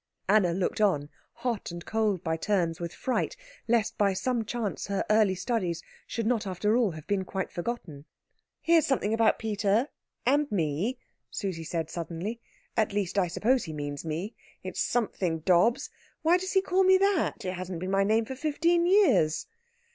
Anna looked on, hot and cold by turns with fright lest by some chance her early studies should not after all have been quite forgotten. "Here's something about Peter and me," Susie said suddenly. "At least, I suppose he means me. It is something Dobbs. Why does he call me that? It hasn't been my name for fifteen years."